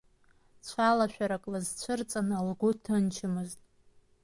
Цәалашәарак лызцәырҵын лгәы ҭынчмызт.